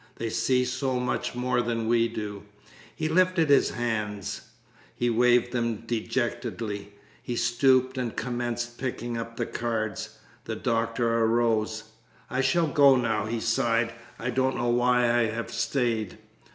They see so much more than we do." He lifted his hands. He waved them dejectedly. He stooped and commenced picking up the cards. The doctor arose. "I shall go now." He sighed. "I don't know why I have stayed."